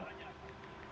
bisa memecat seenak enak